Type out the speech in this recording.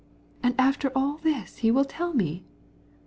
"And after that he will tell me....